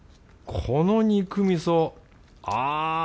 この肉味噌ああ